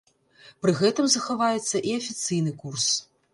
Пры гэтым захаваецца і афіцыйны курс.